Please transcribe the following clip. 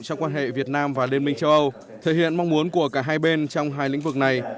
trong quan hệ việt nam và liên minh châu âu thể hiện mong muốn của cả hai bên trong hai lĩnh vực này